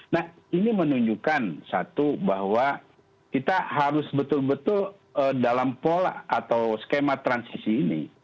nah ini menunjukkan satu bahwa kita harus betul betul dalam pola atau skema transisi ini